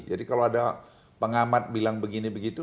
jadi kalau ada pengamat bilang begini begitu